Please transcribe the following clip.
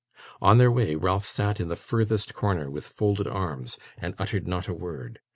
On their way, Ralph sat in the furthest corner with folded arms, and uttered not a word.